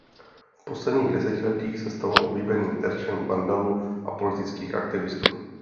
V posledních desetiletích se stalo oblíbeným terčem vandalů a politických aktivistů.